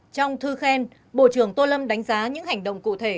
trong thư khen bộ trưởng tô lâm đánh giá những hành động cụ thể